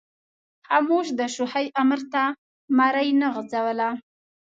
خاموش د شوخۍ امر ته مرۍ نه غځوله.